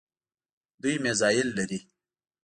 دوی میزایل لري.